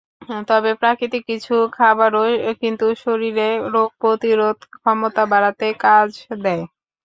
তবে প্রাকৃতিক কিছু খাবারও কিন্তু শরীরে রোগ প্রতিরোধ ক্ষমতা বাড়াতে কাজ দেয়।